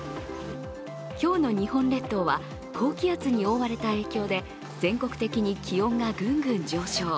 今日の日本列島は高気圧に覆われた影響で全国的に気温がグングン上昇。